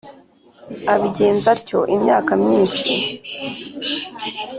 abigenza atyo imyaka myinshi,